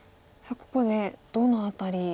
さあここでどの辺り。